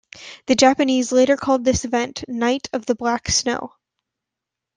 The Japanese later called this event Night of the Black Snow.